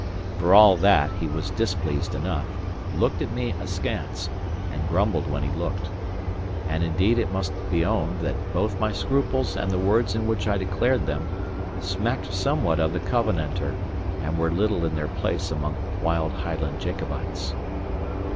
For all that he was displeased enough, looked at me askance, and grumbled when he looked. And indeed it must be owned that both my scruples and the words in which I declared them, smacked somewhat of the Covenanter, and were little in their place among wild Highland Jacobites.